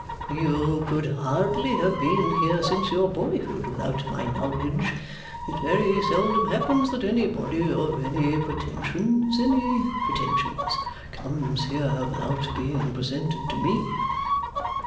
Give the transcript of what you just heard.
'You could hardly have been here since your boyhood without my knowledge. It very seldom happens that anybody of any pretensions any pretensions comes here without being presented to me.